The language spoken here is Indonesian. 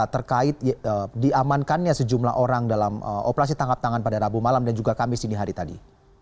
terkait diamankannya sejumlah orang dalam operasi tangkap tangan pada rabu malam dan juga kamis ini hari tadi